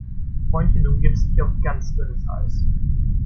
Freundchen, du begibst dich hier auf ganz dünnes Eis!